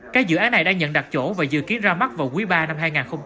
các dự án này đã nhận đặt chỗ và dự kiến ra mắt vào quý ba năm hai nghìn hai mươi